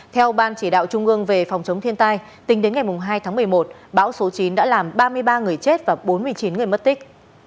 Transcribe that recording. theo ban chỉ đạo trung ương về phòng chống thiên tai tính đến ngày hai tháng một mươi một bão số chín đã làm ba mươi ba người chết và bốn mươi chín người mất tích